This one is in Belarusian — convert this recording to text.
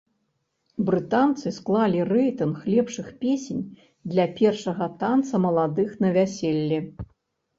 Брытанцы склалі рэйтынг лепшых песень для першага танца маладых на вяселлі.